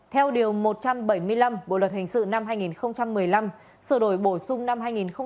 theo điều một trăm bảy mươi năm bộ luật hình sự năm hai nghìn một mươi năm sửa đổi bổ sung năm hai nghìn một mươi bảy